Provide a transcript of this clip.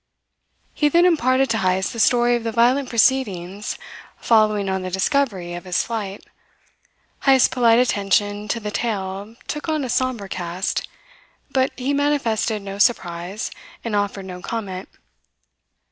He then imparted to Heyst the story of the violent proceedings following on the discovery of his flight. Heyst's polite attention to the tale took on a sombre cast; but he manifested no surprise, and offered no comment.